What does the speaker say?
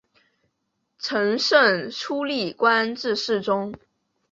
承圣初历官至侍中。